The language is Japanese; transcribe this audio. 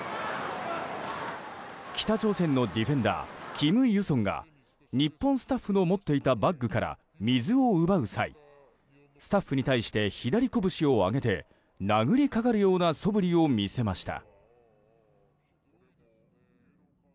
北朝鮮のディフェンダーキム・ユソンが日本スタッフの持っていたバッグから水を奪う際スタッフに対して左こぶしを上げて殴りかかるようなそぶりを見せました。